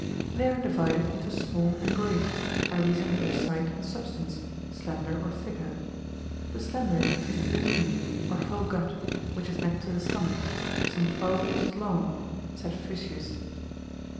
They are divided into small and great, by reason of their site and substance, slender or thicker: the slender is duodenum, or whole gut, which is next to the stomach, some twelve inches long, saith Fuschius.